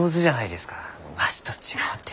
わしと違うて。